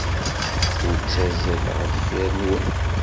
Ur ttazzaleɣ deffir-nwen.